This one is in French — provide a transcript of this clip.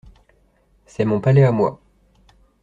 C'est mon palais à moi.